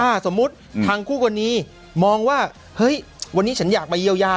ถ้าสมมุติทางคู่กรณีมองว่าเฮ้ยวันนี้ฉันอยากไปเยียวยา